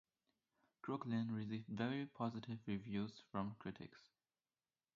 "Crooklyn" received very positive reviews from critics.